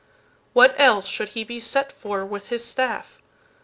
What else should he be set for, with his staff?